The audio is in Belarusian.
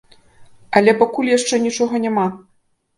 Але пакуль яшчэ нічога няма.